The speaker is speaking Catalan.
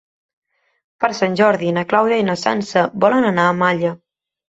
Per Sant Jordi na Clàudia i na Sança volen anar a Malla.